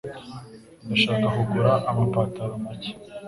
Ndashaka kugura amapantaro make.